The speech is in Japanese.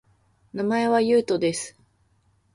名前は、ゆうとです